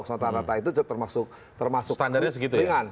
rata rata itu termasuk ringan